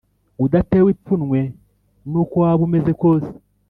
udatewe ipfunwe n’uko waba umeze kose